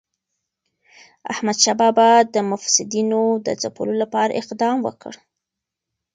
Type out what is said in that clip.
احمدشاه بابا د مفسدینو د ځپلو لپاره اقدام وکړ.